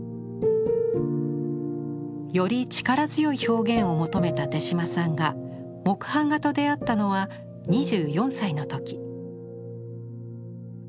より力強い表現を求めた手島さんが「木版画」と出会ったのは２４歳の時。